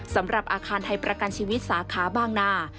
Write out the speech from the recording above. สำหรับอาคารไทยประกันชีวิตสาขาบางนา